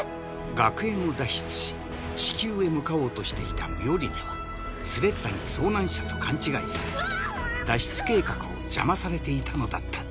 学園を脱出し地球へ向かおうとしていたミオリネはスレッタに遭難者と勘違いされ脱出計画を邪魔されていたのだった